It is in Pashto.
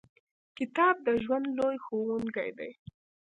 • کتاب د ژوند لوی ښوونکی دی.